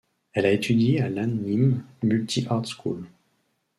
Elle a étudié à l'Hanlim Multi Art School.